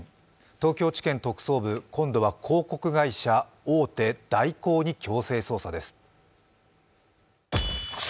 東京地裁特捜部、今度は広告会社大手・大広に強制捜査です。